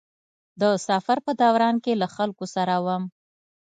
د سفر په دوران کې له خلکو سره وم.